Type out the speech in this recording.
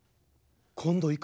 今度行く。